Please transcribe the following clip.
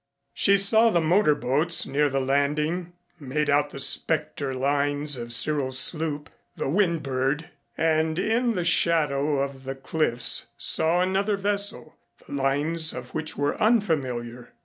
She saw the motor boats near the landing, made out the specter lines of Cyril's sloop, the Windbird, and in the shadow of the cliffs saw another vessel, the lines of which were unfamiliar.